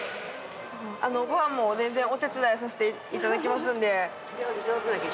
ご飯も全然お手伝いさせていただきますんで。